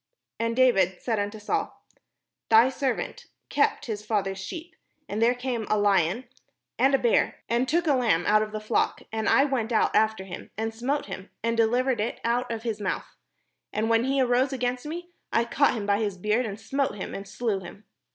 And David said unto Saul: "Thy servant kept his father's sheep, and there came a lion, and a bear, and 549 PALESTINE took a lamb out of the flock: and I went out after him, and smote him, and delivered it out of his mouth: and when he arose against me, I caught him by his beard, and smote him, and slew him.